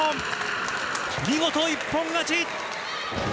見事、一本勝ち。